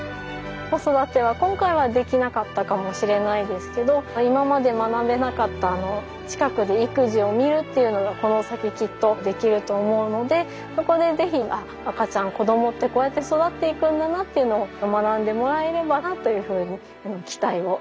子育ては今回はできなかったかもしれないですけど今まで学べなかった近くで育児を見るっていうのがこの先きっとできると思うのでそこで是非赤ちゃん子供ってこうやって育っていくんだなっていうのを学んでもらえればなというふうに期待をしています。